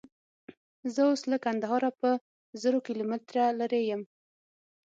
زه اوس له کندهاره په زرو کیلومتره لیرې یم.